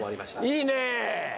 いいね